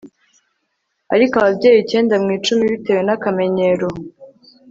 Ariko ababyeyi icyenda mu icumi bitewe nakamenyero